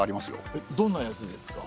えっどんなやつですか？